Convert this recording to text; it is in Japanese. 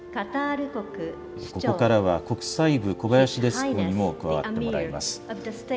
ここからは、国際部、小林デスクにも加わってもらいます。